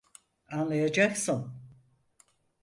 Anlayacaksın.